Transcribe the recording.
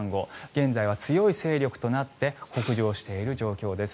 現在は強い勢力となって北上している状況です。